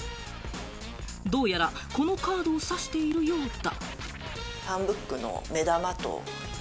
どうやら、このカードを指しているようだ。